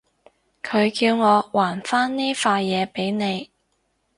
佢叫我還返呢塊嘢畀你